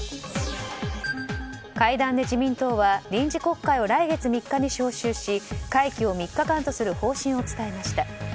会談で自民党は臨時国会を来月３日に召集し会期を３日間とする方針を伝えました。